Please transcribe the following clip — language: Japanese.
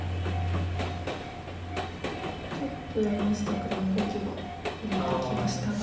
ちょっと山下九段動きが増えてきましたが。